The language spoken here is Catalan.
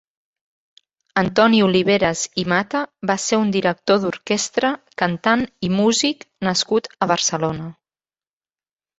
Antoni Oliveres i Mata va ser un director d'orquestra, cantant i músic nascut a Barcelona.